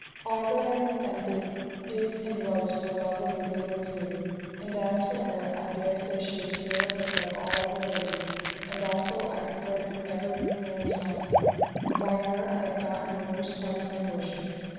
All that I have offended is and was for the love of La Beale Isoud. And as for her, I dare say she is peerless above all other ladies, and also I proffered her never no dishonour; and by her I have gotten the most part of my worship.